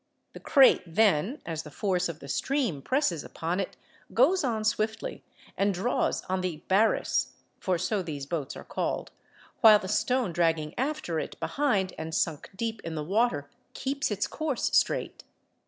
The crate then, as the force of the stream presses upon it, goes on swiftly and draws on the baris (for so these boats are called), while the stone dragging after it behind and sunk deep in the water keeps its course straight.